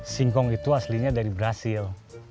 singkong itu aslinya dari brazil